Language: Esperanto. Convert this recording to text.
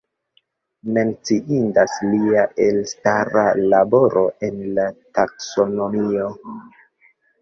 Menciindas lia elstara laboro en la taksonomio.